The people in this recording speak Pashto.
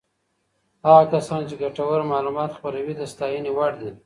هغه کسان چې ګټور معلومات خپروي د ستاینې وړ دي.